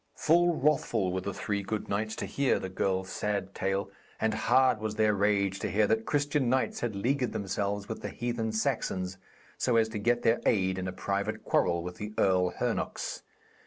Full wrathful were the three good knights to hear the girl's sad tale, and hard was their rage to hear that Christian knights had leagued themselves with the heathen Saxons so as to get their aid in a private quarrel with the Earl Hernox.